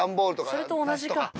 それと同じか。